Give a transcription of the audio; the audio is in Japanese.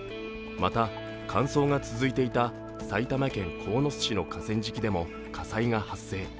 また、乾燥が続いていた埼玉県鴻巣市の河川敷でも火災が発生。